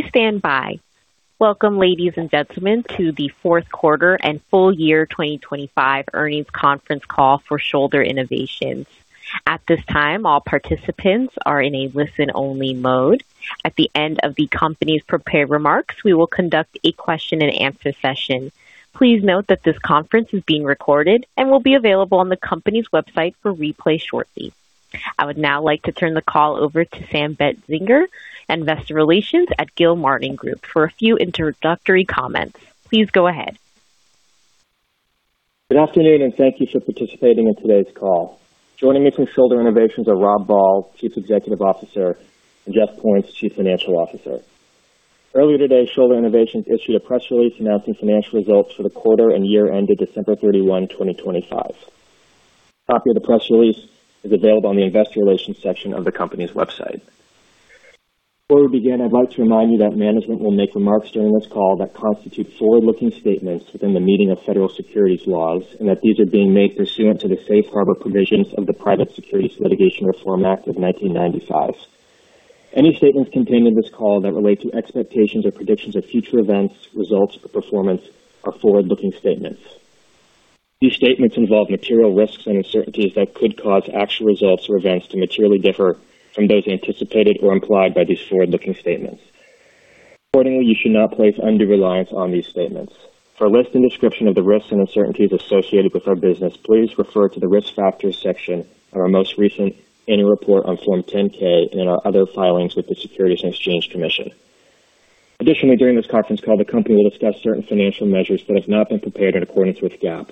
Please stand by. Welcome, ladies and gentlemen, to the fourth quarter and full-year 2025 earnings conference call for Shoulder Innovations. At this time, all participants are in a listen-only mode. At the end of the company's prepared remarks, we will conduct a question-and-answer session. Please note that this conference is being recorded and will be available on the company's website for replay shortly. I would now like to turn the call over to Sam Bentzinger, Investor Relations at Gilmartin Group, for a few introductory comments. Please go ahead. Good afternoon, and thank you for participating in today's call. Joining me from Shoulder Innovations are Rob Ball, Chief Executive Officer, and Jeff Points, Chief Financial Officer. Earlier today, Shoulder Innovations issued a press release announcing financial results for the quarter and year ended December 31, 2025. A copy of the press release is available on the Investor Relations section of the company's website. Before we begin, I'd like to remind you that management will make remarks during this call that constitute forward-looking statements within the meaning of federal securities laws and that these are being made pursuant to the safe harbor provisions of the Private Securities Litigation Reform Act of 1995. Any statements contained in this call that relate to expectations or predictions of future events, results or performance are forward-looking statements. These statements involve material risks and uncertainties that could cause actual results or events to materially differ from those anticipated or implied by these forward-looking statements. Accordingly, you should not place undue reliance on these statements. For a list and description of the risks and uncertainties associated with our business, please refer to the Risk Factors section of our most recent annual report on Form 10-K and in our other filings with the Securities and Exchange Commission. Additionally, during this conference call, the company will discuss certain financial measures that have not been prepared in accordance with GAAP.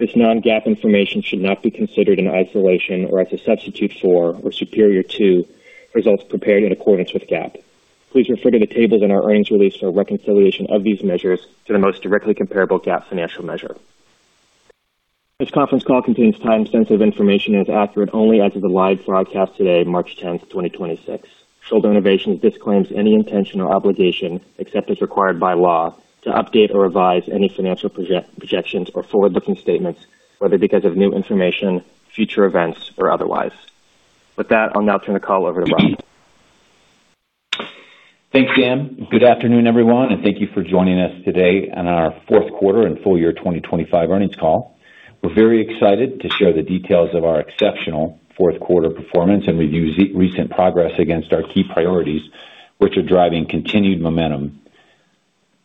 This non-GAAP information should not be considered in isolation or as a substitute for or superior to results prepared in accordance with GAAP. Please refer to the tables in our earnings release for reconciliation of these measures to the most directly comparable GAAP financial measure. This conference call contains time-sensitive information and is accurate only as of the live broadcast today, March 10th, 2026. Shoulder Innovations disclaims any intention or obligation, except as required by law, to update or revise any financial projections or forward-looking statements, whether because of new information, future events or otherwise. With that, I'll now turn the call over to Rob. Thanks, Sam. Good afternoon, everyone, and thank you for joining us today on our fourth quarter and full-year 2025 earnings call. We're very excited to share the details of our exceptional fourth quarter performance and review recent progress against our key priorities, which are driving continued momentum.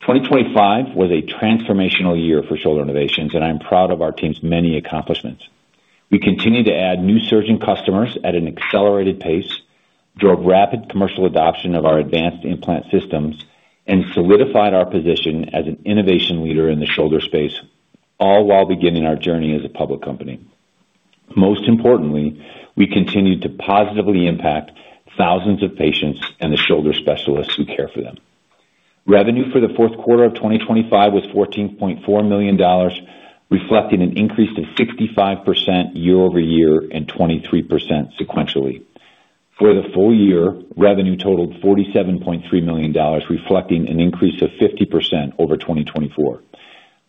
2025 was a transformational year for Shoulder Innovations, and I'm proud of our team's many accomplishments. We continue to add new surgeon customers at an accelerated pace, drove rapid commercial adoption of our advanced implant systems, and solidified our position as an innovation leader in the shoulder space, all while beginning our journey as a public company. Most importantly, we continued to positively impact thousands of patients and the shoulder specialists who care for them. Revenue for the fourth quarter of 2025 was $14.4 million, reflecting an increase of 65% year-over-year and 23% sequentially. For the full-year, revenue totaled $47.3 million, reflecting an increase of 50% over 2024.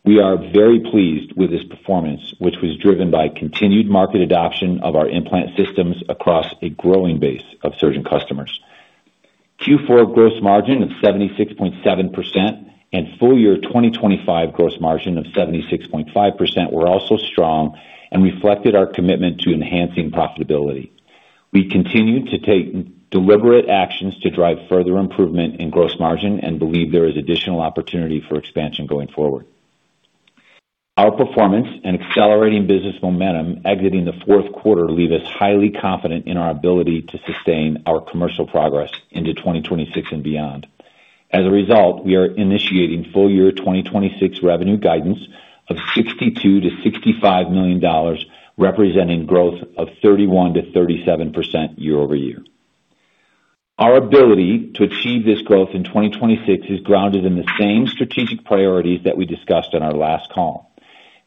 We are very pleased with this performance, which was driven by continued market adoption of our implant systems across a growing base of surgeon customers. Q4 gross margin of 76.7% and full-year 2025 gross margin of 76.5% were also strong and reflected our commitment to enhancing profitability. We continue to take deliberate actions to drive further improvement in gross margin and believe there is additional opportunity for expansion going forward. Our performance and accelerating business momentum exiting the fourth quarter leave us highly confident in our ability to sustain our commercial progress into 2026 and beyond. As a result, we are initiating full-year 2026 revenue guidance of $62 million-$65 million, representing growth of 31%-37% year-over-year. Our ability to achieve this growth in 2026 is grounded in the same strategic priorities that we discussed on our last call.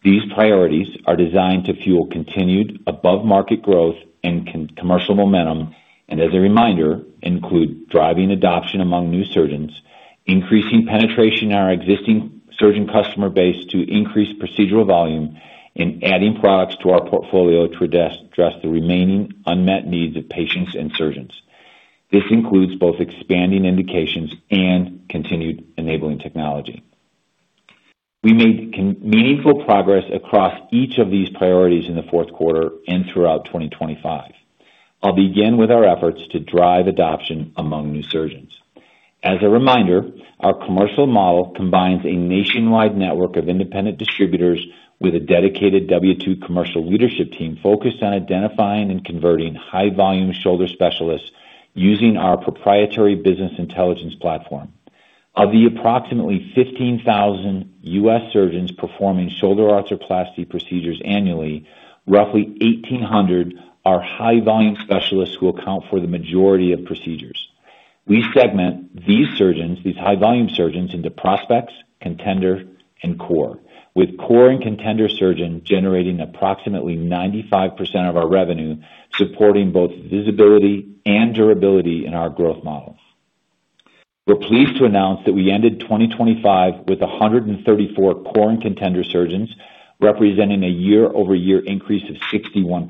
These priorities are designed to fuel continued above-market growth and commercial momentum and, as a reminder, include driving adoption among new surgeons, increasing penetration in our existing surgeon customer base to increase procedural volume, and adding products to our portfolio to address the remaining unmet needs of patients and surgeons. This includes both expanding indications and continued enabling technology. We made meaningful progress across each of these priorities in the fourth quarter and throughout 2025. I'll begin with our efforts to drive adoption among new surgeons. As a reminder, our commercial model combines a nationwide network of independent distributors with a dedicated W-2 commercial leadership team focused on identifying and converting high-volume shoulder specialists using our proprietary business intelligence platform. Of the approximately 15,000 U.S. surgeons performing shoulder arthroplasty procedures annually, roughly 1,800 are high-volume specialists who account for the majority of procedures. We segment these surgeons, these high-volume surgeons, into prospects, contender, and core, with core and contender surgeons generating approximately 95% of our revenue, supporting both visibility and durability in our growth models. We're pleased to announce that we ended 2025 with 134 core and contender surgeons, representing a year-over-year increase of 61%.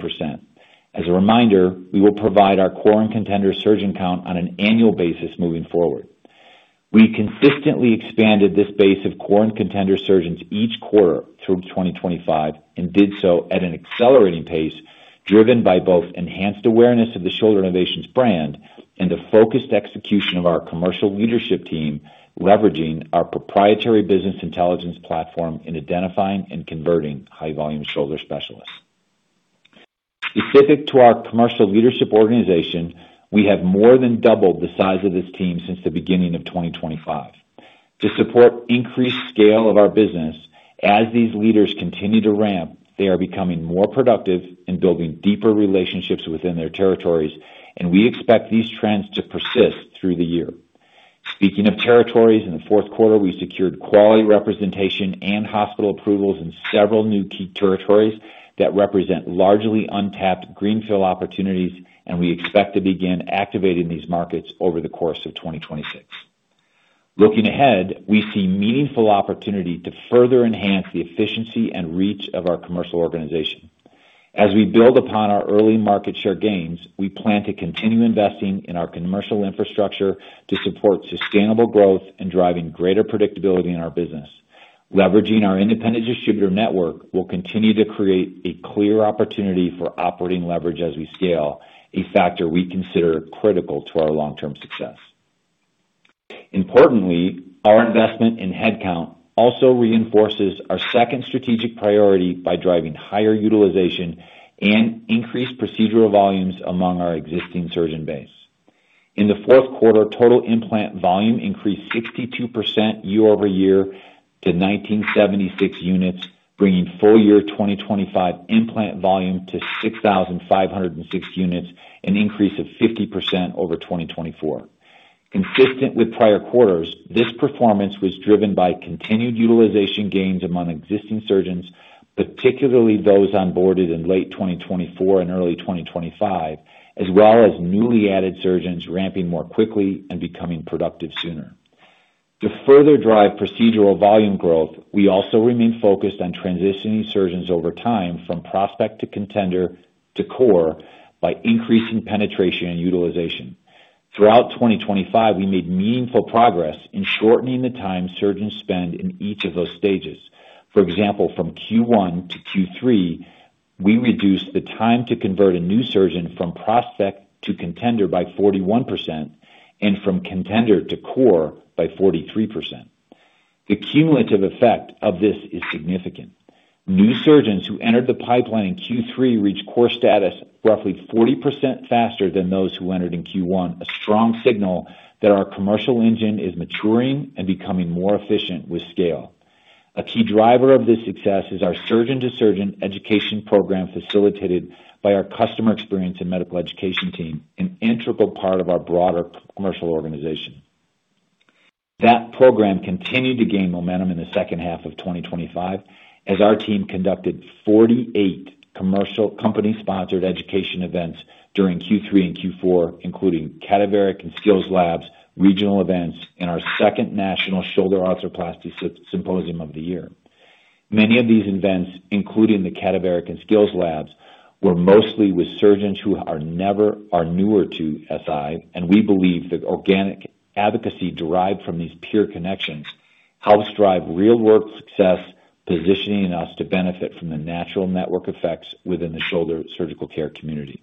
As a reminder, we will provide our core and contender surgeon count on an annual basis moving forward. We consistently expanded this base of core and contender surgeons each quarter through 2025 and did so at an accelerating pace, driven by both enhanced awareness of the Shoulder Innovations brand and the focused execution of our commercial leadership team, leveraging our proprietary business intelligence platform in identifying and converting high volume shoulder specialists. Specific to our commercial leadership organization, we have more than doubled the size of this team since the beginning of 2025 to support increased scale of our business. As these leaders continue to ramp, they are becoming more productive in building deeper relationships within their territories, and we expect these trends to persist through the year. Speaking of territories, in the fourth quarter, we secured quality representation and hospital approvals in several new key territories that represent largely untapped greenfield opportunities, and we expect to begin activating these markets over the course of 2026. Looking ahead, we see meaningful opportunity to further enhance the efficiency and reach of our commercial organization. As we build upon our early market share gains, we plan to continue investing in our commercial infrastructure to support sustainable growth and driving greater predictability in our business. Leveraging our independent distributor network will continue to create a clear opportunity for operating leverage as we scale, a factor we consider critical to our long-term success. Importantly, our investment in headcount also reinforces our second strategic priority by driving higher utilization and increased procedural volumes among our existing surgeon base. In the fourth quarter, total implant volume increased 62% year over year to 1,976 units, bringing full-year 2025 implant volume to 6,506 units, an increase of 50% over 2024. Consistent with prior quarters, this performance was driven by continued utilization gains among existing surgeons, particularly those onboarded in late 2024 and early 2025, as well as newly added surgeons ramping more quickly and becoming productive sooner. To further drive procedural volume growth, we also remain focused on transitioning surgeons over time from prospect to contender to core by increasing penetration and utilization. Throughout 2025, we made meaningful progress in shortening the time surgeons spend in each of those stages. For example, from Q1 to Q3, we reduced the time to convert a new surgeon from prospect to contender by 41% and from contender to core by 43%. The cumulative effect of this is significant. New surgeons who entered the pipeline in Q3 reached core status roughly 40% faster than those who entered in Q1, a strong signal that our commercial engine is maturing and becoming more efficient with scale. A key driver of this success is our surgeon-to-surgeon education program, facilitated by our customer experience and medical education team, an integral part of our broader commercial organization. That program continued to gain momentum in the second half of 2025 as our team conducted 48 commercial company-sponsored education events during Q3 and Q4, including cadaveric and skills labs, regional events, and our second national shoulder arthroplasty symposium of the year. Many of these events, including the cadaveric and skills labs, were mostly with surgeons who are newer to SI, and we believe that organic advocacy derived from these peer connections helps drive real-world success, positioning us to benefit from the natural network effects within the shoulder surgical care community.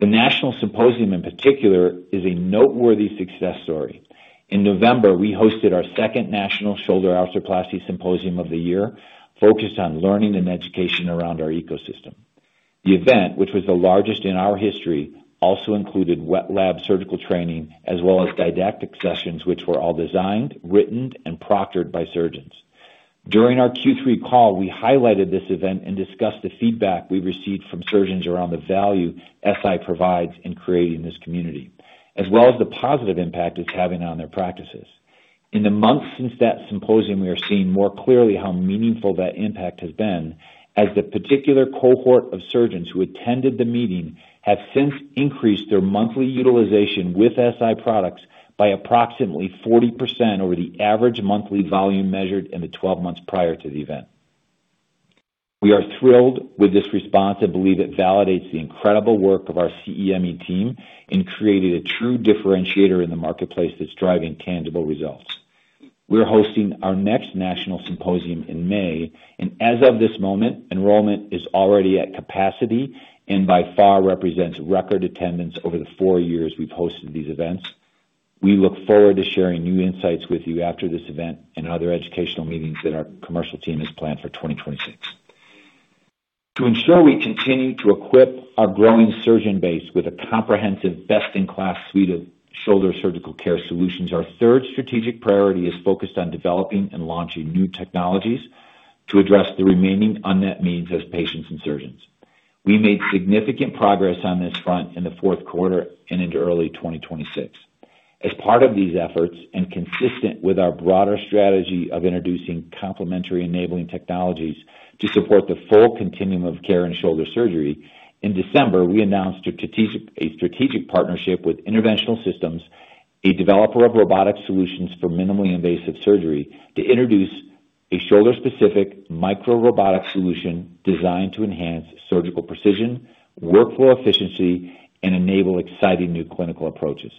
The National Symposium in particular is a noteworthy success story. In November, we hosted our second national shoulder arthroplasty symposium of the year focused on learning and education around our ecosystem. The event, which was the largest in our history, also included wet lab surgical training as well as didactic sessions, which were all designed, written and proctored by surgeons. During our Q3 call, we highlighted this event and discussed the feedback we received from surgeons around the value SI provides in creating this community, as well as the positive impact it's having on their practices. In the months since that symposium, we are seeing more clearly how meaningful that impact has been as the particular cohort of surgeons who attended the meeting have since increased their monthly utilization with SI products by approximately 40% over the average monthly volume measured in the 12 months prior to the event. We are thrilled with this response and believe it validates the incredible work of our CE&ME team in creating a true differentiator in the marketplace that's driving tangible results. We're hosting our next national symposium in May, and as of this moment, enrollment is already at capacity and by far represents record attendance over the four years we've hosted these events. We look forward to sharing new insights with you after this event and other educational meetings that our commercial team has planned for 2026. To ensure we continue to equip our growing surgeon base with a comprehensive, best-in-class suite of shoulder surgical care solutions, our third strategic priority is focused on developing and launching new technologies to address the remaining unmet needs of patients and surgeons. We made significant progress on this front in the fourth quarter and into early 2026. As part of these efforts, and consistent with our broader strategy of introducing complementary enabling technologies to support the full continuum of care and shoulder surgery, in December, we announced a strategic partnership with Interventional Systems, a developer of robotic solutions for minimally invasive surgery, to introduce a shoulder specific microrobotic solution designed to enhance surgical precision, workflow efficiency and enable exciting new clinical approaches.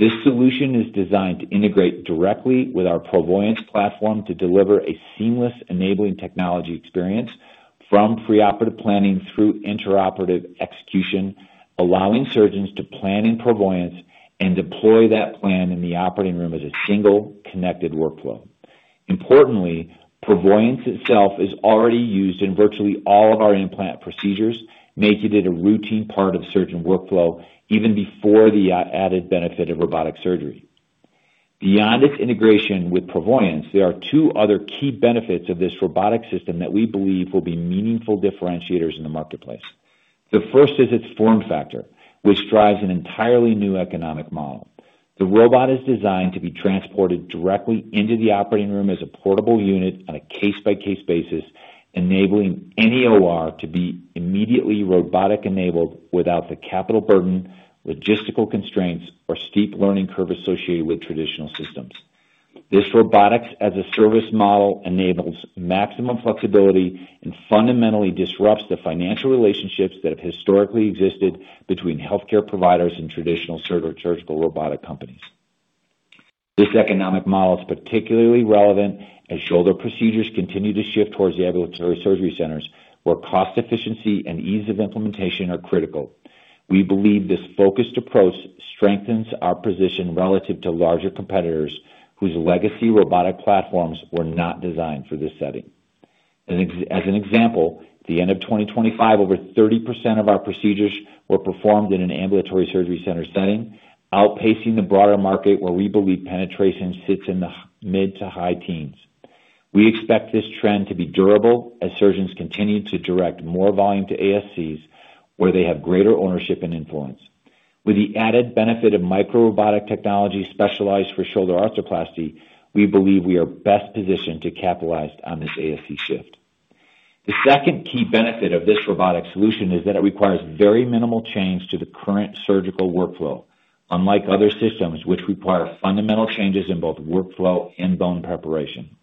This solution is designed to integrate directly with our ProVoyance platform to deliver a seamless enabling technology experience from preoperative planning through intraoperative execution, allowing surgeons to plan in ProVoyance and deploy that plan in the operating room as a single connected workflow. Importantly, ProVoyance itself is already used in virtually all of our implant procedures, making it a routine part of surgeon workflow even before the added benefit of robotic surgery. Beyond its integration with ProVoyance, there are two other key benefits of this robotic system that we believe will be meaningful differentiators in the marketplace. The first is its form factor, which drives an entirely new economic model. The robot is designed to be transported directly into the operating room as a portable unit on a case-by-case basis, enabling any OR to be immediately robotic enabled without the capital burden, logistical constraints or steep learning curve associated with traditional systems. This robotics as a service model enables maximum flexibility and fundamentally disrupts the financial relationships that have historically existed between healthcare providers and traditional surgical robotic companies. This economic model is particularly relevant as shoulder procedures continue to shift towards the ambulatory surgery centers where cost efficiency and ease of implementation are critical. We believe this focused approach strengthens our position relative to larger competitors whose legacy robotic platforms were not designed for this setting. As an example, by the end of 2025, over 30% of our procedures were performed in an ambulatory surgery center setting, outpacing the broader market where we believe penetration sits in the mid to high teens. We expect this trend to be durable as surgeons continue to direct more volume to ASCs where they have greater ownership and influence. With the added benefit of microrobotic technology specialized for shoulder arthroplasty, we believe we are best positioned to capitalize on this ASC shift. The second key benefit of this robotic solution is that it requires very minimal change to the current surgical workflow, unlike other systems which require fundamental changes in both workflow and bone preparation.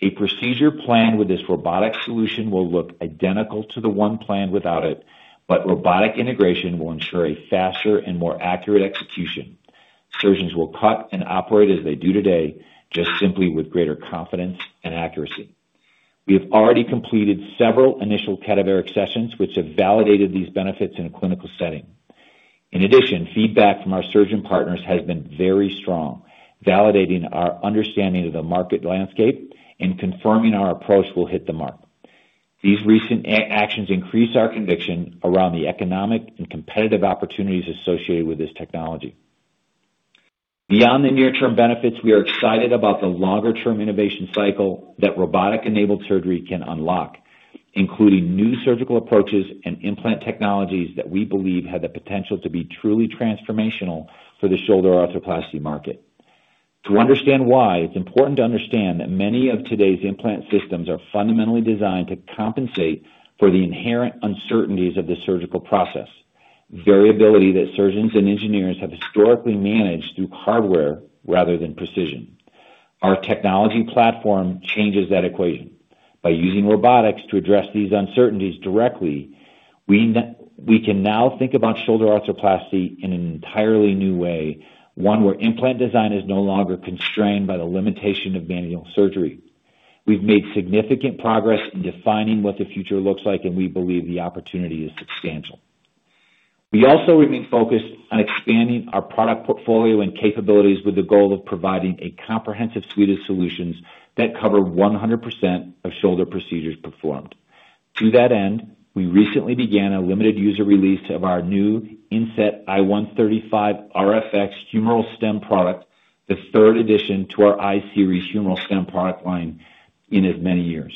A procedure plan with this robotic solution will look identical to the one planned without it, but robotic integration will ensure a faster and more accurate execution. Surgeons will cut and operate as they do today, just simply with greater confidence and accuracy. We have already completed several initial cadaveric sessions which have validated these benefits in a clinical setting. In addition, feedback from our surgeon partners has been very strong, validating our understanding of the market landscape and confirming our approach will hit the mark. These recent actions increase our conviction around the economic and competitive opportunities associated with this technology. Beyond the near-term benefits, we are excited about the longer-term innovation cycle that robotics-enabled surgery can unlock, including new surgical approaches and implant technologies that we believe have the potential to be truly transformational for the shoulder arthroplasty market. To understand why, it's important to understand that many of today's implant systems are fundamentally designed to compensate for the inherent uncertainties of the surgical process, variability that surgeons and engineers have historically managed through hardware rather than precision. Our technology platform changes that equation. By using robotics to address these uncertainties directly, we can now think about shoulder arthroplasty in an entirely new way, one where implant design is no longer constrained by the limitation of manual surgery. We've made significant progress in defining what the future looks like, and we believe the opportunity is substantial. We also remain focused on expanding our product portfolio and capabilities with the goal of providing a comprehensive suite of solutions that cover 100% of shoulder procedures performed. To that end, we recently began a limited market release of our new InSet I-135RFX Humeral Stem product, the third addition to our InSet Series Humeral Stem product line in as many years.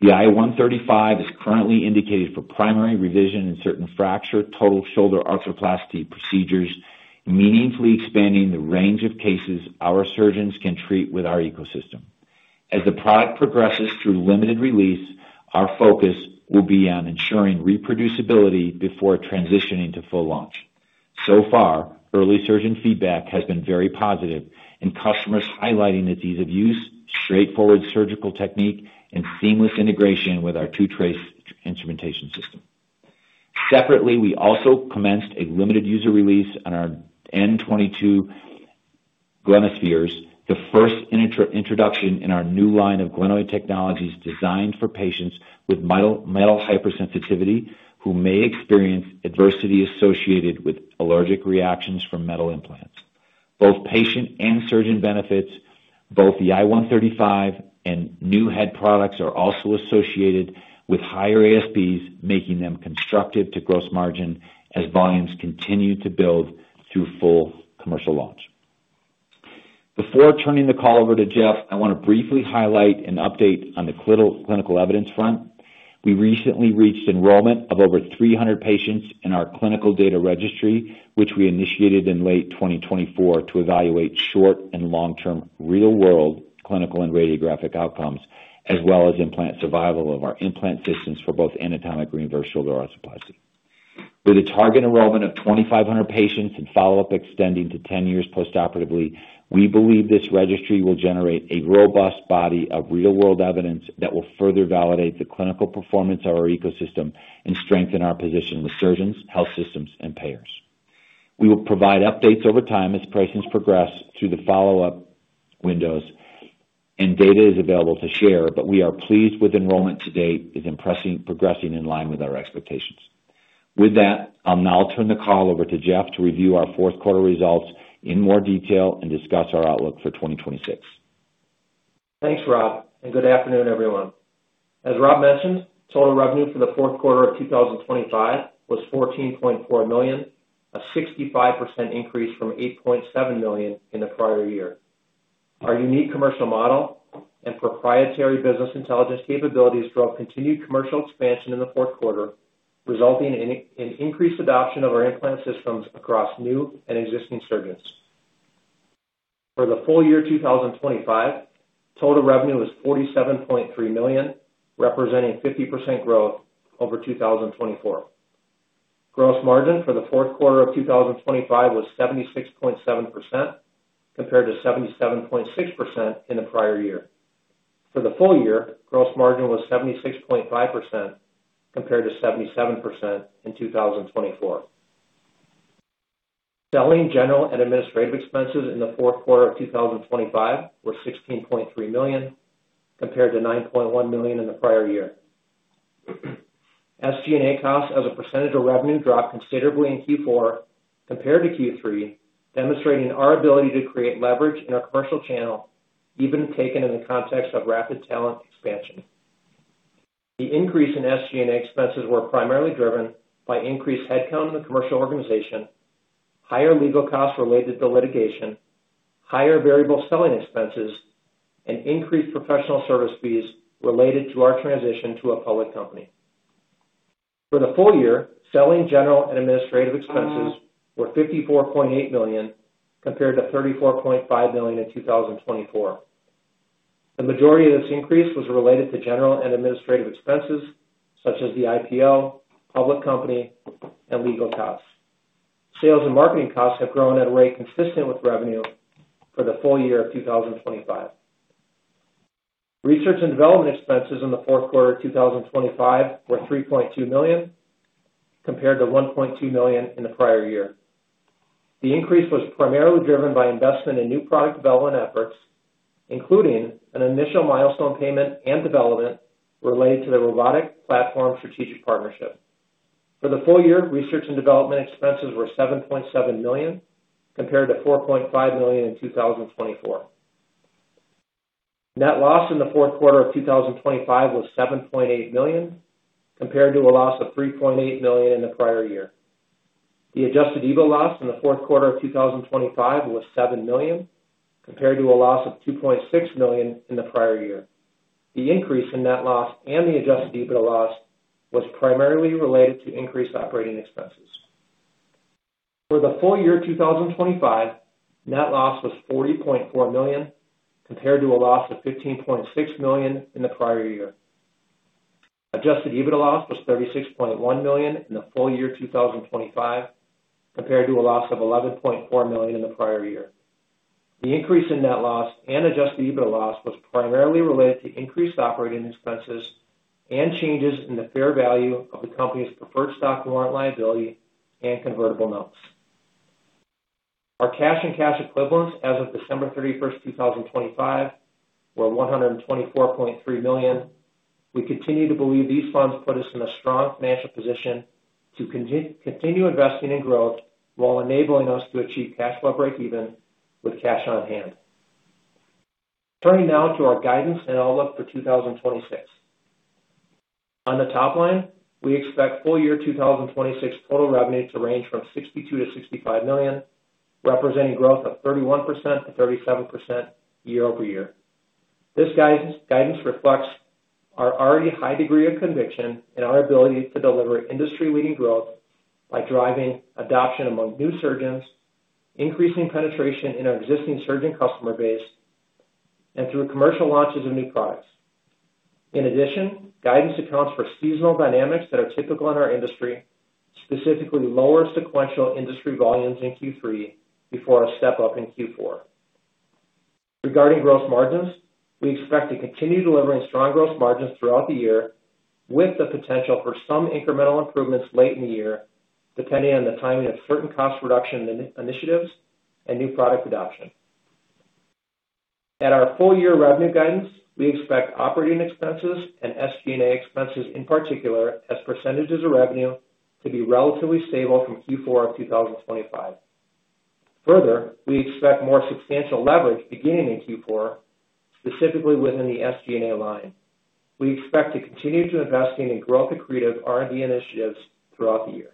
The InSet 135 is currently indicated for primary, revision, and certain fracture total shoulder arthroplasty procedures, meaningfully expanding the range of cases our surgeons can treat with our ecosystem. As the product progresses through limited release, our focus will be on ensuring reproducibility before transitioning to full launch. So far, early surgeon feedback has been very positive and customers highlighting its ease of use, straightforward surgical technique, and seamless integration with our TrueTrace instrumentation system. Separately, we also commenced a limited market release of our N-22 Humeral Head, the first introduction in our new line of glenoid technologies designed for patients with metal hypersensitivity who may experience adversity associated with allergic reactions from metal implants. Both patient and surgeon benefits, both the InSet 135 and new head products are also associated with higher ASPs, making them constructive to gross margin as volumes continue to build through full commercial launch. Before turning the call over to Jeff, I want to briefly highlight an update on the clinical evidence front. We recently reached enrollment of over 300 patients in our clinical data registry, which we initiated in late 2024 to evaluate short- and long-term real-world clinical and radiographic outcomes, as well as implant survival of our implant systems for both anatomic reverse shoulder arthroplasty. With a target enrollment of 2,500 patients and follow-up extending to 10 years post-operatively, we believe this registry will generate a robust body of real-world evidence that will further validate the clinical performance of our ecosystem and strengthen our position with surgeons, health systems, and payers. We will provide updates over time as patients progress through the follow-up windows and data is available to share, but we are pleased with enrollment to date is progressing in line with our expectations. With that, I'll now turn the call over to Jeff to review our fourth quarter results in more detail and discuss our outlook for 2026. Thanks, Rob, and good afternoon, everyone. As Rob mentioned, total revenue for the fourth quarter of 2025 was $14.4 million, a 65% increase from $8.7 million in the prior year. Our unique commercial model and proprietary business intelligence capabilities drove continued commercial expansion in the fourth quarter, resulting in increased adoption of our implant systems across new and existing surgeons. For the full-year 2025, total revenue was $47.3 million, representing 50% growth over 2024. Gross margin for the fourth quarter of 2025 was 76.7% compared to 77.6% in the prior year. For the full-year, gross margin was 76.5% compared to 77% in 2024. Selling, general and administrative expenses in the fourth quarter of 2025 were $16.3 million compared to $9.1 million in the prior year. SG&A costs as a percentage of revenue dropped considerably in Q4 compared to Q3, demonstrating our ability to create leverage in our commercial channel, even taken in the context of rapid talent expansion. The increase in SG&A expenses were primarily driven by increased headcount in the commercial organization, higher legal costs related to litigation, higher variable selling expenses, and increased professional service fees related to our transition to a public company. For the full-year, selling, general and administrative expenses were $54.8 million compared to $34.5 million in 2024. The majority of this increase was related to general and administrative expenses such as the IPO, public company, and legal costs. Sales and marketing costs have grown at a rate consistent with revenue for the full-year of 2025. Research and development expenses in the fourth quarter of 2025 were $3.2 million compared to $1.2 million in the prior year. The increase was primarily driven by investment in new product development efforts, including an initial milestone payment and development related to the robotic platform strategic partnership. For the full-year, research and development expenses were $7.7 million, compared to $4.5 million in 2024. Net loss in the fourth quarter of 2025 was $7.8 million, compared to a loss of $3.8 million in the prior year. The adjusted EBITDA loss in the fourth quarter of 2025 was $7 million, compared to a loss of $2.6 million in the prior year. The increase in net loss and the adjusted EBITDA loss was primarily related to increased operating expenses. For the full-year 2025, net loss was $40.4 million, compared to a loss of $15.6 million in the prior year. Adjusted EBITDA loss was $36.1 million in the full-year 2025, compared to a loss of $11.4 million in the prior year. The increase in net loss and adjusted EBITDA loss was primarily related to increased operating expenses and changes in the fair value of the company's preferred stock warrant liability and convertible notes. Our cash and cash equivalents as of December 31, 2025, were $124.3 million. We continue to believe these funds put us in a strong financial position to continue investing in growth while enabling us to achieve cash flow breakeven with cash on hand. Turning now to our guidance and outlook for 2026. On the top line, we expect full-year 2026 total revenue to range from $62 million-$65 million, representing growth of 31%-37% year-over-year. This guidance reflects our already high degree of conviction in our ability to deliver industry-leading growth by driving adoption among new surgeons, increasing penetration in our existing surgeon customer base, and through commercial launches of new products. In addition, guidance accounts for seasonal dynamics that are typical in our industry, specifically lower sequential industry volumes in Q3 before a step-up in Q4. Regarding gross margins, we expect to continue delivering strong gross margins throughout the year with the potential for some incremental improvements late in the year, depending on the timing of certain cost reduction initiatives and new product adoption. At our full-year revenue guidance, we expect operating expenses and SG&A expenses, in particular, as percentages of revenue to be relatively stable from Q4 of 2025. Further, we expect more substantial leverage beginning in Q4, specifically within the SG&A line. We expect to continue to investing in growth accretive R&D initiatives throughout the year.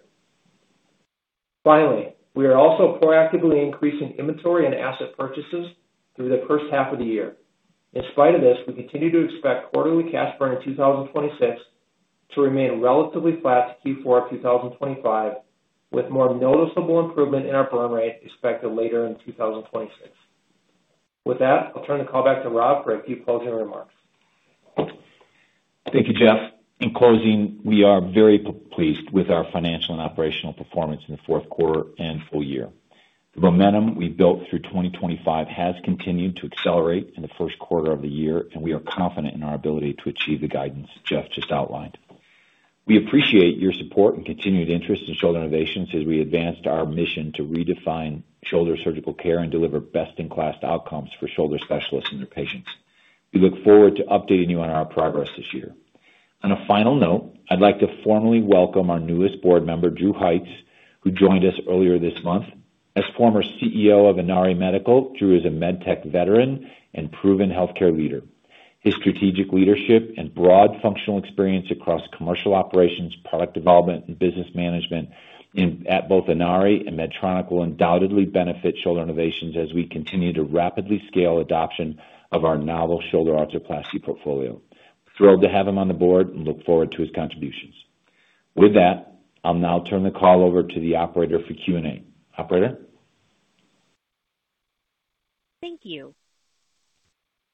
Finally, we are also proactively increasing inventory and asset purchases through the first half of the year. In spite of this, we continue to expect quarterly cash burn in 2026 to remain relatively flat to Q4 of 2025, with more noticeable improvement in our burn rate expected later in 2026. With that, I'll turn the call back to Rob for a few closing remarks. Thank you, Jeff. In closing, we are very pleased with our financial and operational performance in the fourth quarter and full-year. The momentum we built through 2025 has continued to accelerate in the first quarter of the year, and we are confident in our ability to achieve the guidance Jeff just outlined. We appreciate your support and continued interest in Shoulder Innovations as we advanced our mission to redefine shoulder surgical care and deliver best in class outcomes for shoulder specialists and their patients. We look forward to updating you on our progress this year. On a final note, I'd like to formally welcome our newest board member, Drew Hykes, who joined us earlier this month. As former CEO of Inari Medical, Drew is a med tech veteran and proven healthcare leader. His strategic leadership and broad functional experience across commercial operations, product development, and business management at both Inari and Medtronic will undoubtedly benefit Shoulder Innovations as we continue to rapidly scale adoption of our novel shoulder arthroplasty portfolio. Thrilled to have him on the board and look forward to his contributions. With that, I'll now turn the call over to the operator for Q&A. Operator? Thank you.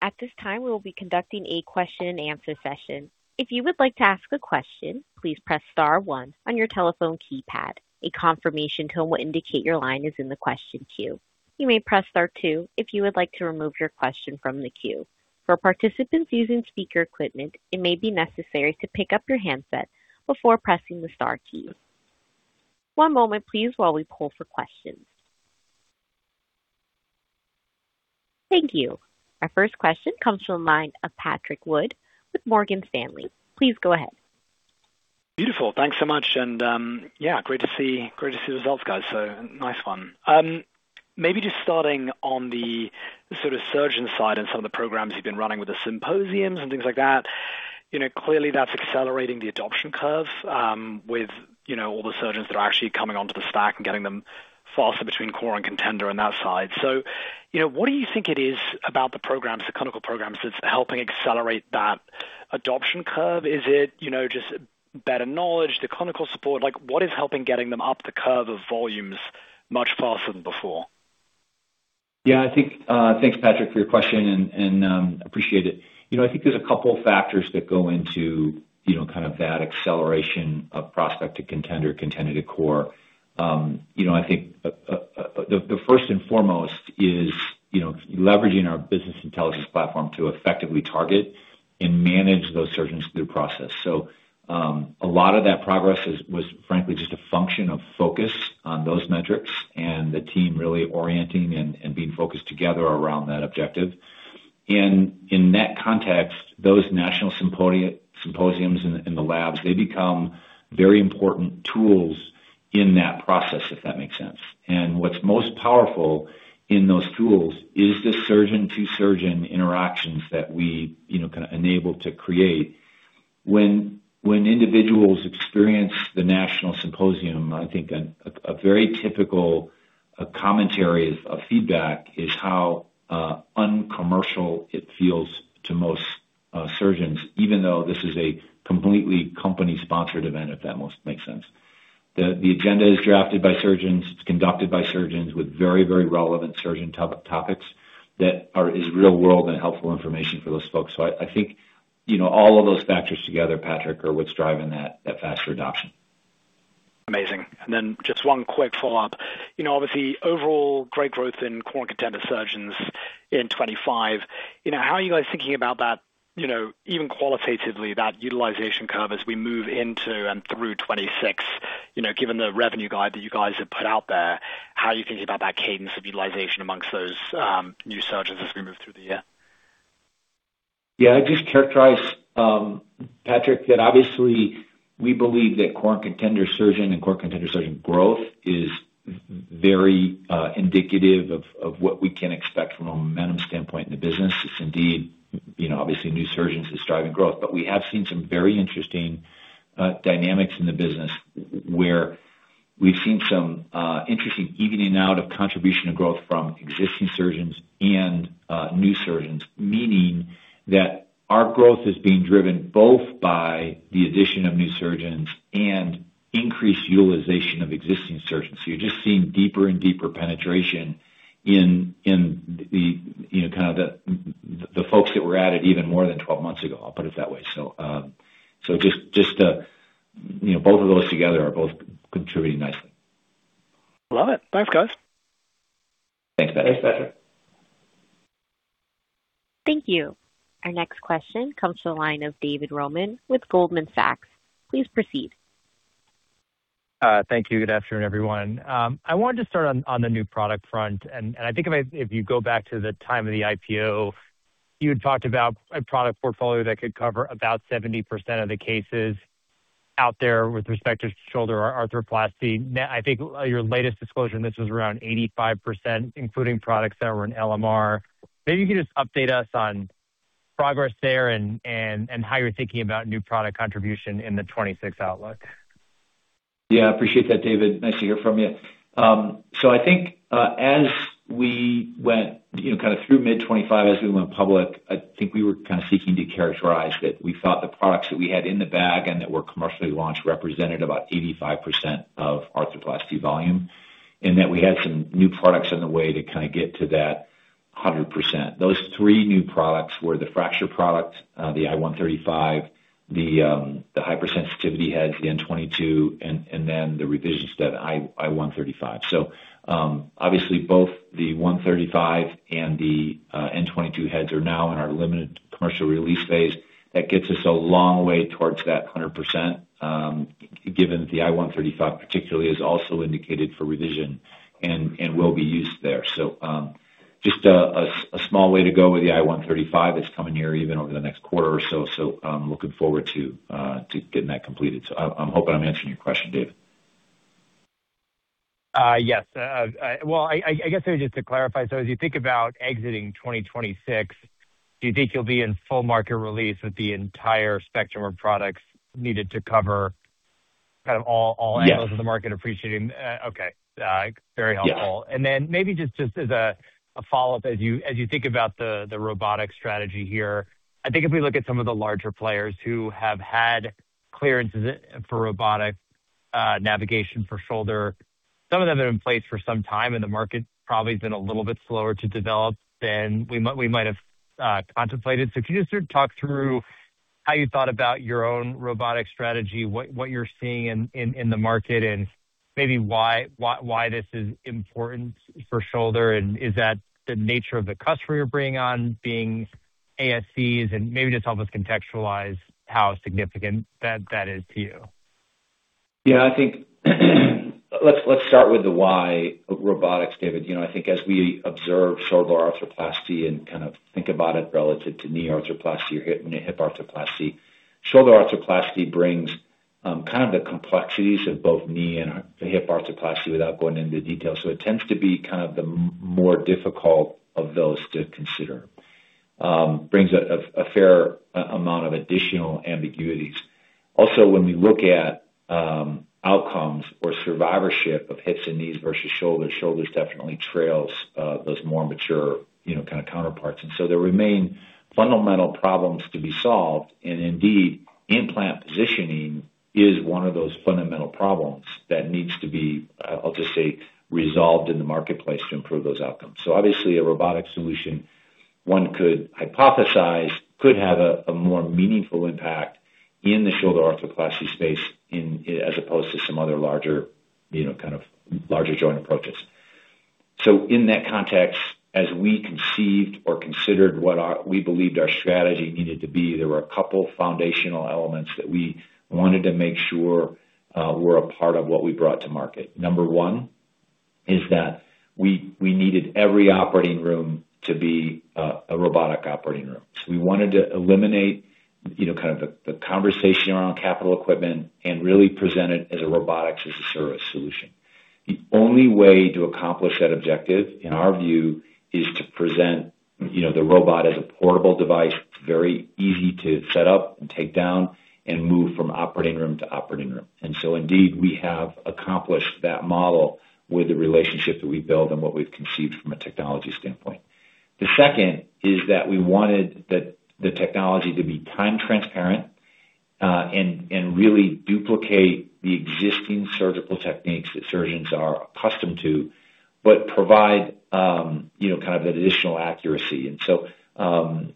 At this time, we will be conducting a question and answer session. If you would like to ask a question, please press star one on your telephone keypad. A confirmation tone will indicate your line is in the question queue. You may press star two if you would like to remove your question from the queue. For participants using speaker equipment, it may be necessary to pick up your handset before pressing the star key. One moment please while we poll for questions. Thank you. Our first question comes from the line of Patrick Wood with Morgan Stanley. Please go ahead. Beautiful. Thanks so much. Yeah, great to see the results, guys, so nice one. Maybe just starting on the sort of surgeon side and some of the programs you've been running with the symposiums and things like that, you know, clearly that's accelerating the adoption curve, with, you know, all the surgeons that are actually coming onto the stack and getting them faster between core and contender on that side. You know, what do you think it is about the programs, the clinical programs, that's helping accelerate that adoption curve? Is it, you know, just better knowledge, the clinical support? Like, what is helping getting them up the curve of volumes much faster than before? Yeah, I think, thanks, Patrick, for your question and appreciate it. You know, I think there's a couple factors that go into, you know, kind of that acceleration of prospect to contender to core. You know, I think the first and foremost is, you know, leveraging our business intelligence platform to effectively target and manage those surgeons through process. So, a lot of that progress was frankly just a function of focus on those metrics and the team really orienting and being focused together around that objective. In that context, those national symposiums in the labs, they become very important tools in that process, if that makes sense. What's most powerful in those tools is the surgeon to surgeon interactions that we, you know, can enable to create. When individuals experience the national symposium, I think a very typical commentary of feedback is how uncommercial it feels to most surgeons, even though this is a completely company-sponsored event, if that most makes sense. The agenda is drafted by surgeons, it's conducted by surgeons with very relevant surgeon topics that is real-world and helpful information for those folks. I think, you know, all of those factors together, Patrick, are what's driving that faster adoption. Amazing. Just one quick follow-up. You know, obviously, overall great growth in core and contender surgeons in 2025. You know, how are you guys thinking about that, you know, even qualitatively, that utilization curve as we move into and through 2026? You know, given the revenue guide that you guys have put out there, how are you thinking about that cadence of utilization amongst those new surgeons as we move through the year? Yeah. I just characterize, Patrick, that obviously we believe that core and contender surgeon growth is very indicative of what we can expect from a momentum standpoint in the business. It's indeed, you know, obviously new surgeons is driving growth. We have seen some very interesting dynamics in the business where we've seen some interesting evening out of contribution of growth from existing surgeons and new surgeons, meaning that our growth is being driven both by the addition of new surgeons and increased utilization of existing surgeons. You're just seeing deeper and deeper penetration in the, you know, kind of the folks that were at it even more than 12 months ago, I'll put it that way. Both of those together are both contributing nicely. Love it. Thanks, guys. Thanks, Patrick. Thank you. Our next question comes to the line of David Roman with Goldman Sachs. Please proceed. Thank you. Good afternoon, everyone. I wanted to start on the new product front, and I think if you go back to the time of the IPO, you had talked about a product portfolio that could cover about 70% of the cases out there with respect to shoulder arthroplasty. Now, I think your latest disclosure on this was around 85%, including products that were in LMR. Maybe you could just update us on progress there and how you're thinking about new product contribution in the 2026 outlook. Yeah, appreciate that, David. Nice to hear from you. I think, as we went, you know, kind of through mid-2025, as we went public, I think we were kind of seeking to characterize that we thought the products that we had in the bag and that were commercially launched represented about 85% of arthroplasty volume, and that we had some new products in the way to kind of get to that 100%. Those three new products were the fracture product, the InSet 135, the hypersensitivity heads, the N-22, and then the revision stem InSet 135. Obviously both the 135 and the N-22 heads are now in our limited commercial release phase. That gets us a long way towards that 100%, given that the InSet 135 particularly is also indicated for revision and will be used there. Just a small way to go with the InSet 135. It's coming in revenue over the next quarter or so I'm looking forward to getting that completed. I'm hoping I'm answering your question, David. Yes. Well, I guess just to clarify. As you think about exiting 2026, do you think you'll be in full market release with the entire spectrum of products needed to cover kind of all? Yes. Angles of the market appreciating? Okay. Very helpful. Yeah. Maybe just as a follow-up, as you think about the robotic strategy here, I think if we look at some of the larger players who have had clearances for robotic navigation for shoulder, some of them have been in place for some time, and the market probably has been a little bit slower to develop than we might have contemplated. If you just sort of talk through how you thought about your own robotic strategy, what you're seeing in the market, and maybe why this is important for shoulder, and is that the nature of the customer you're bringing on being ASCs? Maybe just help us contextualize how significant that is to you. Yeah, I think let's start with the why of robotics, David. You know, I think as we observe shoulder arthroplasty and kind of think about it relative to knee arthroplasty or hip, knee hip arthroplasty, shoulder arthroplasty brings kind of the complexities of both knee and the hip arthroplasty without going into detail. So it tends to be kind of the more difficult of those to consider. Brings a fair amount of additional ambiguities. Also, when we look at outcomes or survivorship of hips and knees versus shoulders definitely trails those more mature, you know, kind of counterparts. Indeed, implant positioning is one of those fundamental problems that needs to be, I'll just say, resolved in the marketplace to improve those outcomes. Obviously, a robotic solution, one could hypothesize, could have a more meaningful impact in the shoulder arthroplasty space as opposed to some other larger, you know, kind of larger joint approaches. In that context, as we conceived or considered what we believed our strategy needed to be, there were a couple foundational elements that we wanted to make sure were a part of what we brought to market. Number one is that we needed every operating room to be a robotic operating room. We wanted to eliminate, you know, kind of the conversation around capital equipment and really present it as a robotics as a service solution. The only way to accomplish that objective, in our view, is to present, you know, the robot as a portable device. It's very easy to set up and take down and move from operating room to operating room. Indeed, we have accomplished that model with the relationship that we build and what we've conceived from a technology standpoint. The second is that we wanted the technology to be time transparent, and really duplicate the existing surgical techniques that surgeons are accustomed to, but provide, you know, kind of that additional accuracy.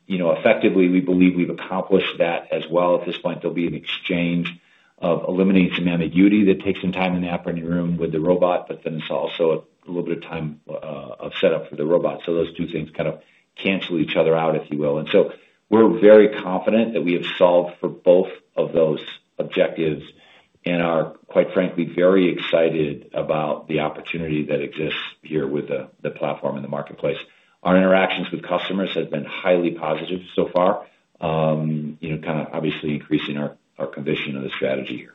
You know, effectively, we believe we've accomplished that as well. At this point, there'll be an exchange of eliminating some ambiguity that takes some time in the operating room with the robot, but then it's also a little bit of time of setup for the robot. Those two things kind of cancel each other out, if you will. We're very confident that we have solved for both of those objectives and are, quite frankly, very excited about the opportunity that exists here with the platform in the marketplace. Our interactions with customers have been highly positive so far, you know, kind of obviously increasing our conviction of the strategy here.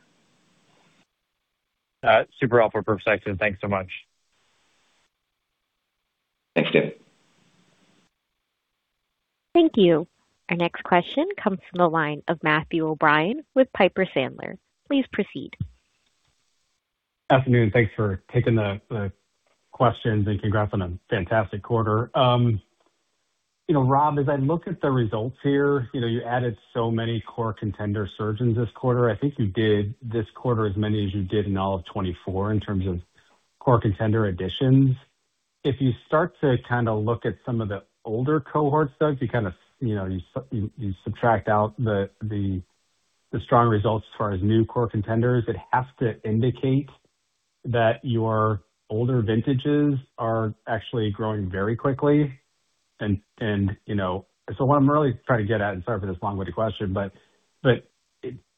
Super helpful perspective. Thanks so much. Thanks, David. Thank you. Our next question comes from the line of Matthew O'Brien with Piper Sandler. Please proceed. Afternoon. Thanks for taking the questions and congrats on a fantastic quarter. You know, Rob, as I look at the results here, you know, you added so many core contender surgeons this quarter. I think you did this quarter as many as you did in all of 2024 in terms of core contender additions. If you start to kind of look at some of the older cohorts, though, if you kind of, you know, subtract out the strong results as far as new core contenders, it has to indicate that your older vintages are actually growing very quickly. You know, what I'm really trying to get at, sorry for this long-winded question, but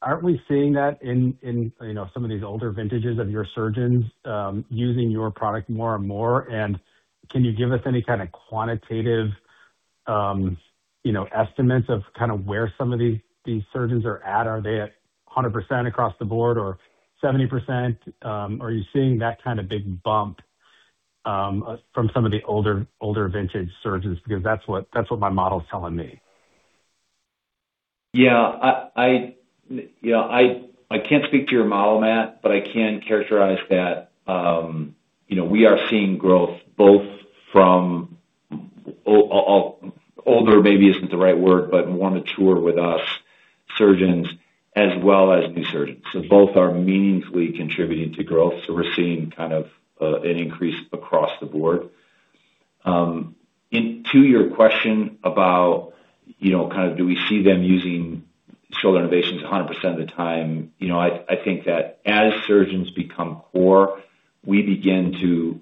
aren't we seeing that in some of these older vintages of your surgeons using your product more and more? Can you give us any kind of quantitative, you know, estimates of kind of where some of the, these surgeons are at? Are they at 100% across the board or 70%? Are you seeing that kind of big bump from some of the older vintage surgeons? Because that's what my model's telling me. Yeah. You know, I can't speak to your model, Matt, but I can characterize that, you know, we are seeing growth both from older, maybe isn't the right word, but more mature with us. Surgeons as well as new surgeons. Both are meaningfully contributing to growth. We're seeing kind of an increase across the board. To your question about, you know, kind of do we see them using Shoulder Innovations 100% of the time, you know, I think that as surgeons become core, we begin to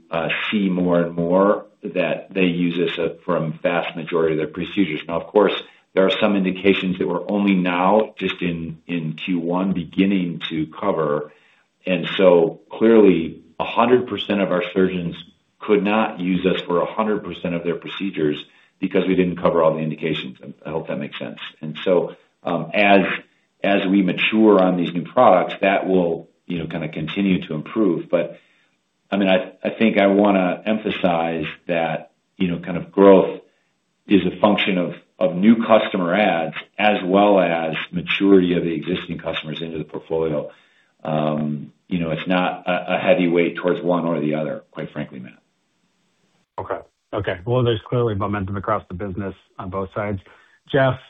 see more and more that they use us for the vast majority of their procedures. Now, of course, there are some indications that we're only now just in Q1 beginning to cover. Clearly 100% of our surgeons could not use us for 100% of their procedures because we didn't cover all the indications. I hope that makes sense. As we mature on these new products, that will, you know, kind of continue to improve. I mean, I think I wanna emphasize that, you know, kind of growth is a function of new customer adds as well as maturity of the existing customers into the portfolio. You know, it's not a heavy weight towards one or the other, quite frankly, Matt. Okay. Well, there's clearly momentum across the business on both sides. Jeff,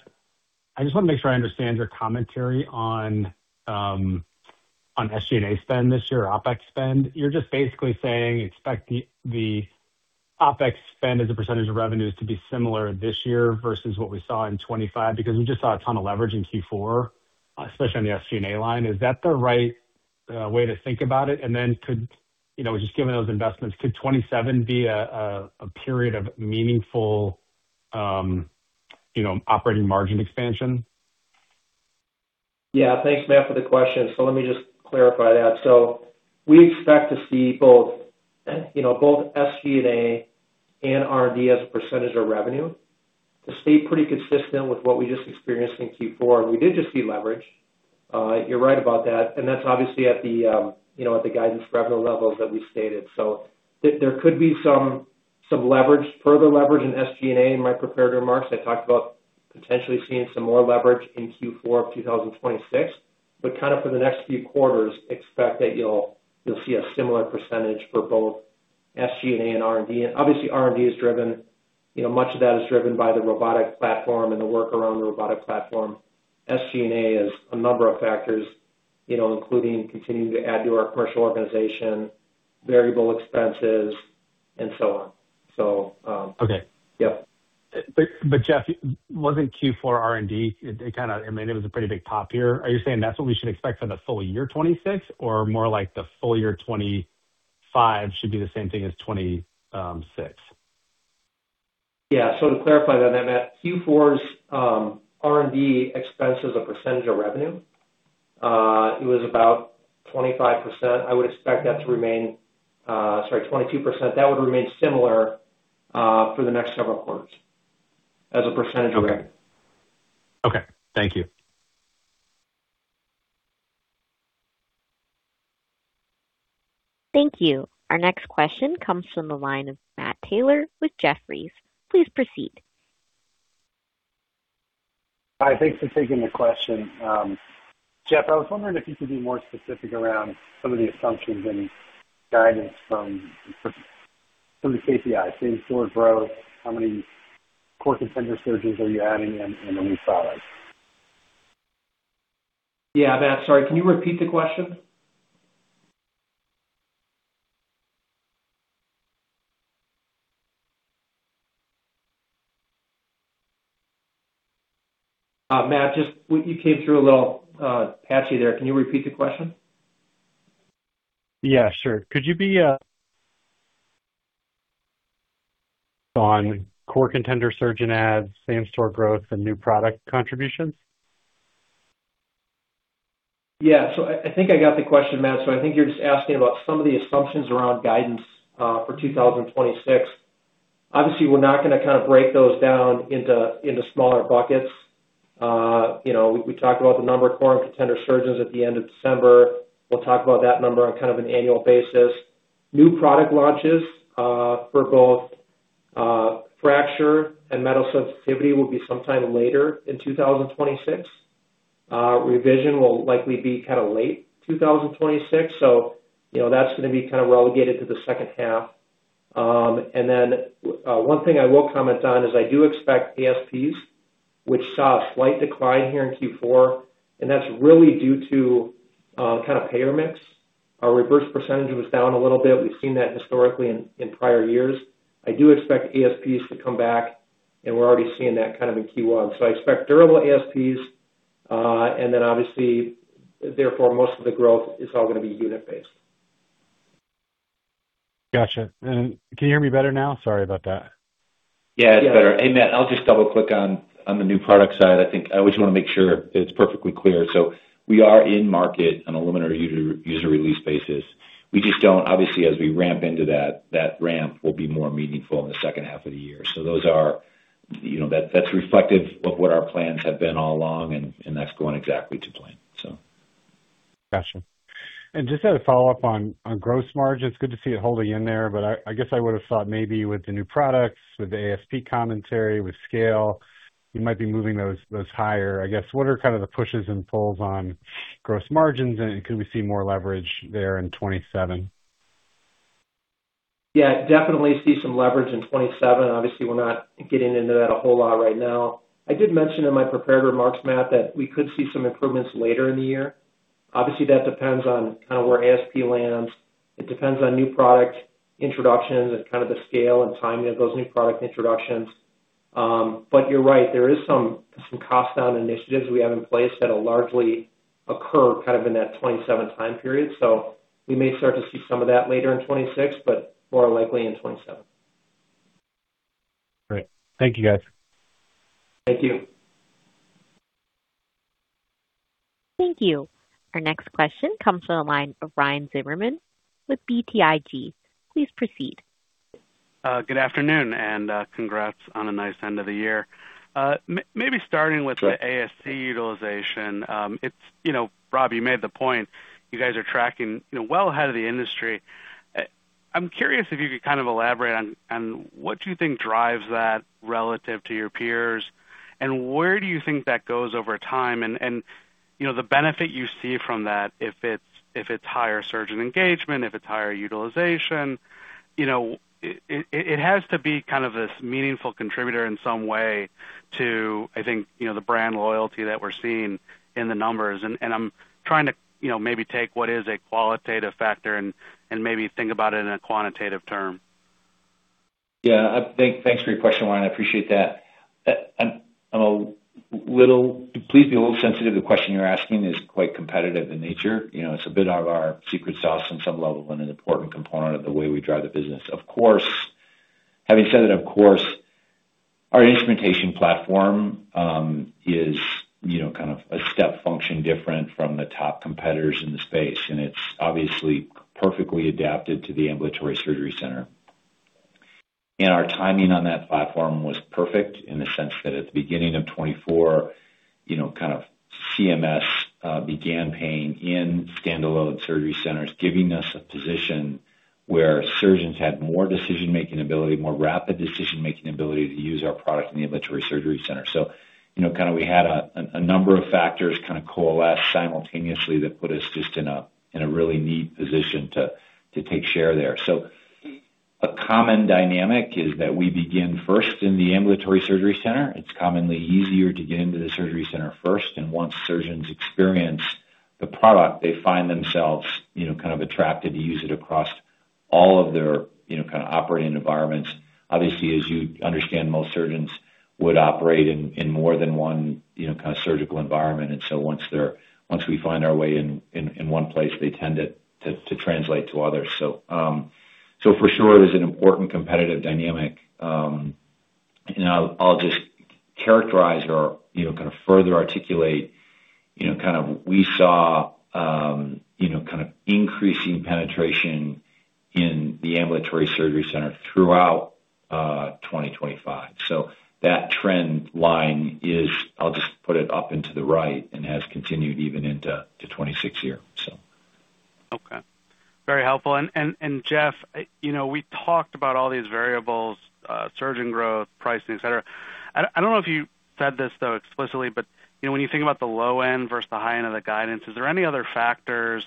I just wanna make sure I understand your commentary on SG&A spend this year or OpEx spend. You're just basically saying expect the OpEx spend as a percentage of revenues to be similar this year versus what we saw in 2025? Because we just saw a ton of leverage in Q4, especially on the SG&A line. Is that the right way to think about it? Then could you know just given those investments could 2027 be a period of meaningful you know operating margin expansion? Yeah. Thanks, Matt, for the question. Let me just clarify that. We expect to see both, you know, both SG&A and R&D as a percentage of revenue to stay pretty consistent with what we just experienced in Q4. We did just see leverage. You're right about that, and that's obviously at the, you know, at the guidance revenue levels that we stated. There could be some leverage, further leverage in SG&A. In my prepared remarks, I talked about potentially seeing some more leverage in Q4 of 2026. Kind of for the next few quarters, expect that you'll see a similar percentage for both SG&A and R&D. Obviously R&D is driven, you know, much of that is driven by the robotic platform and the work around the robotic platform. SG&A is a number of factors, you know, including continuing to add to our commercial organization, variable expenses, and so on. Okay. Yeah. Jeff, wasn't Q4 R&D it kinda I mean it was a pretty big pop here. Are you saying that's what we should expect for the full-year 2026 or more like the full-year 2025 should be the same thing as 2026? To clarify that, Matt, Q4's R&D expense as a percentage of revenue was about 22%. I would expect that to remain similar for the next several quarters as a percentage of revenue. Okay, thank you. Thank you. Our next question comes from the line of Matt Taylor with Jefferies. Please proceed. Hi. Thanks for taking the question. Jeff, I was wondering if you could be more specific around some of the assumptions and guidance from some of the KPIs, same-store growth, how many core contender surgeons are you adding and the new products. Yeah. Matt, sorry, can you repeat the question? Matt, just you came through a little patchy there. Can you repeat the question? Yeah, sure. Could you comment on core, contender, surgeon adds, same-store growth, and new product contributions. Yeah. I think I got the question, Matt. I think you're just asking about some of the assumptions around guidance for 2026. Obviously, we're not gonna kind of break those down into smaller buckets. You know, we talked about the number of core contender surgeons at the end of December. We'll talk about that number on kind of an annual basis. New product launches for both fracture and metal sensitivity will be sometime later in 2026. Revision will likely be kinda late 2026. You know, that's gonna be kind of relegated to the second half. One thing I will comment on is I do expect ASPs, which saw a slight decline here in Q4, and that's really due to kind of payer mix. Our reverse percentage was down a little bit. We've seen that historically in prior years. I do expect ASPs to come back, and we're already seeing that kind of in Q1. I expect durable ASPs, and then obviously therefore most of the growth is all gonna be unit-based. Gotcha. Can you hear me better now? Sorry about that. Yeah, it's better. Yeah. Hey, Matt, I'll just double-click on the new product side. I think I always wanna make sure it's perfectly clear. We are in market on a limited market release basis. We just don't. Obviously, as we ramp into that ramp will be more meaningful in the second half of the year. Those are. You know, that's reflective of what our plans have been all along, and that's going exactly to plan. Gotcha. Just as a follow-up on gross margins, good to see it holding in there, but I guess I would've thought maybe with the new products, with the ASP commentary, with scale, you might be moving those higher, I guess. What are kind of the pushes and pulls on gross margins, and can we see more leverage there in 2027? Yeah, definitely see some leverage in 2027. Obviously, we're not getting into that a whole lot right now. I did mention in my prepared remarks, Matt, that we could see some improvements later in the year. Obviously, that depends on kind of where ASP lands. It depends on new product introductions and kind of the scale and timing of those new product introductions. But you're right, there is some cost down initiatives we have in place that'll largely occur kind of in that 2027 time period. We may start to see some of that later in 2026, but more likely in 2027. Great. Thank you, guys. Thank you. Thank you. Our next question comes from the line of Ryan Zimmerman with BTIG. Please proceed. Good afternoon and congrats on a nice end of the year. Maybe starting with the ASC utilization, it's, you know, Rob, you made the point, you guys are tracking, you know, well ahead of the industry. I'm curious if you could kind of elaborate on what you think drives that relative to your peers, and where do you think that goes over time? You know, the benefit you see from that, if it's higher surgeon engagement, if it's higher utilization. You know, it has to be kind of this meaningful contributor in some way to, I think, you know, the brand loyalty that we're seeing in the numbers. I'm trying to, you know, maybe take what is a qualitative factor and maybe think about it in a quantitative term. Yeah. Thanks for your question, Ryan. I appreciate that. Please be a little sensitive, the question you're asking is quite competitive in nature. You know, it's a bit of our secret sauce on some level and an important component of the way we drive the business. Of course, having said that, of course, our instrumentation platform is, you know, kind of a step function different from the top competitors in the space, and it's obviously perfectly adapted to the ambulatory surgery center. Our timing on that platform was perfect in the sense that at the beginning of 2024, you know, kind of CMS began paying in standalone surgery centers, giving us a position where surgeons had more decision-making ability, more rapid decision-making ability to use our product in the ambulatory surgery center. You know, kind of we had a number of factors kind of coalesce simultaneously that put us just in a really neat position to take share there. A common dynamic is that we begin first in the ambulatory surgery center. It's commonly easier to get into the surgery center first, and once surgeons experience the product, they find themselves, you know, kind of attracted to use it across all of their, you know, kind of operating environments. Obviously, as you understand, most surgeons would operate in more than one, you know, kind of surgical environment. Once we find our way in one place, they tend to translate to others. For sure there's an important competitive dynamic. I'll just characterize or, you know, kind of further articulate, you know, kind of we saw, you know, kind of increasing penetration in the ambulatory surgery center throughout 2025. That trend line is, I'll just put it up and to the right and has continued even into 2026. Okay. Very helpful. Jeff, you know, we talked about all these variables, surgeon growth, pricing, et cetera. I don't know if you said this though explicitly, but, you know, when you think about the low end versus the high end of the guidance, is there any other factors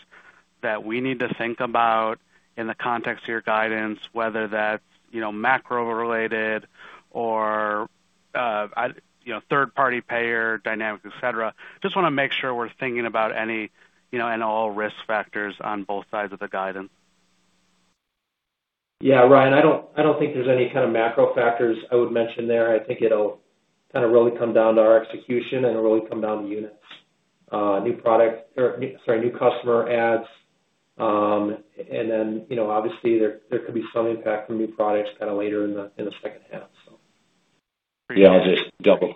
that we need to think about in the context of your guidance, whether that's, you know, macro related or, you know, third party payer dynamics, et cetera? Just wanna make sure we're thinking about any, you know, and all risk factors on both sides of the guidance. Yeah, Ryan, I don't think there's any kind of macro factors I would mention there. I think it'll kind of really come down to our execution and really come down to units. New customer adds, and then, you know, obviously there could be some impact from new products kinda later in the second half, so. Yeah, I'll just double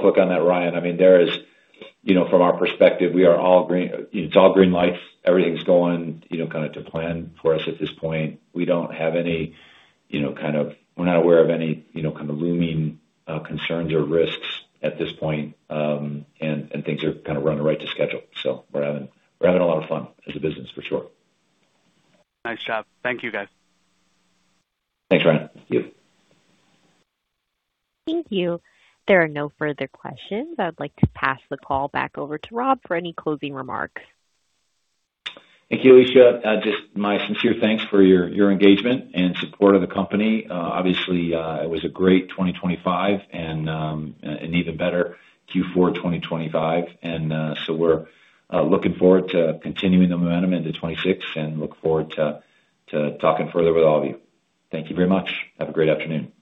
click on that, Ryan. I mean, there is, you know, from our perspective, we are all green. It's all green lights. Everything's going, you know, kind of to plan for us at this point. We're not aware of any, you know, kind of looming concerns or risks at this point. Things are kind of running right to schedule. We're having a lot of fun as a business for sure. Nice job. Thank you, guys. Thanks, Ryan. Thank you. Thank you. There are no further questions. I'd like to pass the call back over to Rob for any closing remarks. Thank you, Elisha. Just my sincere thanks for your engagement and support of the company. Obviously, it was a great 2025 and an even better Q4 2025. We're looking forward to continuing the momentum into 2026 and look forward to talking further with all of you. Thank you very much. Have a great afternoon.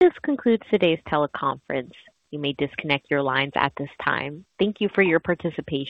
This concludes today's teleconference. You may disconnect your lines at this time. Thank you for your participation.